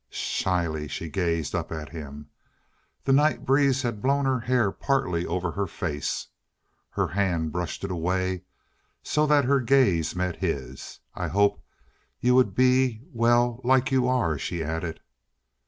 Shyly she gazed up at him. The night breeze had blown her hair partly over her face. Her hand brushed it away so that her gaze met his. "I hoped you would be, well, like you are," she added.